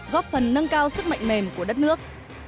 góp phần nâng cao sức mạnh mềm của đất nước